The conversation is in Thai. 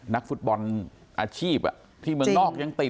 นักฟุตบอลอาชีพที่เมืองนอกยังติด